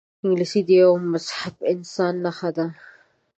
انګلیسي د یوه مهذب انسان نښه ده